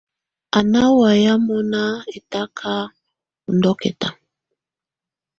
Á ná wayɛ̀á mɔnà ɛtaka ù ndɔkɛ̀ta.